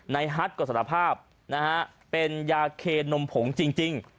นายฮัทก็สารภาพเป็นยาเคนมผงจริง